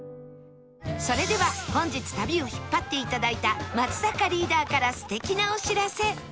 それでは本日旅を引っ張っていただいた松坂リーダーから素敵なお知らせ